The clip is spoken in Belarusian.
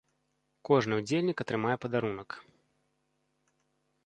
Кожны ўдзельнік атрымае падарунак.